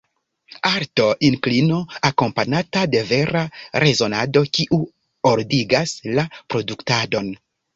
Arto: inklino akompanata de vera rezonado kiu ordigas la produktadon.